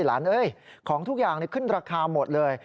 หลานของทุกอย่างขึ้นราคาหมดเลย